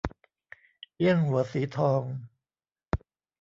เอี้ยงหัวสีทอง